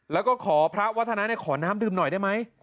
แล้วก็ขอพระวัฒนาขอน้ำดื่มหน่อยได้ไหม